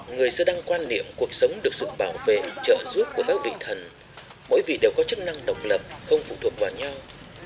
người sơ đăng quan niệm cuộc sống được sự bảo vệ trợ giúp của các vị thần mỗi vị đều có chức năng độc lập không phụ thuộc vào nhau